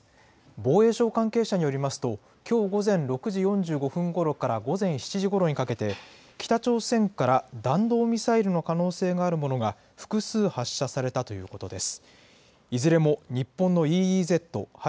防衛省関係者によりますと、きょう午前６時４５分ごろから午前７時ごろにかけて、北朝鮮から弾道ミサイルの可能性があるものが複数発射されたということです。